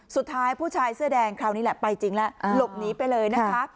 ผู้ชายเสื้อแดงคราวนี้แหละไปจริงแล้วหลบหนีไปเลยนะคะ